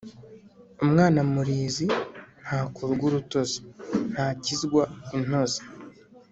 Umwana murizi ntakurwa urutozi (ntakizwa intozi).